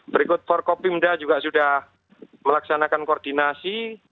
berikut forkopimda juga sudah melaksanakan koordinasi